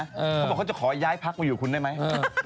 เขาบอกเขาจะขอย้ายพักมาอยู่กับคุณได้ไหม